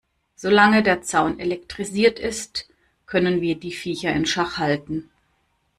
Solange der Zaun elektrisiert ist, können wir die Viecher in Schach halten.